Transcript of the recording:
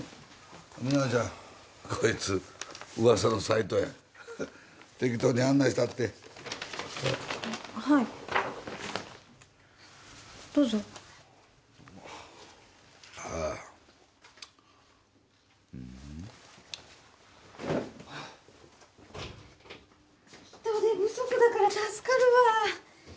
皆川ちゃんコイツウワサの斉藤や適当に案内したってはいどうぞ人手不足だから助かるわ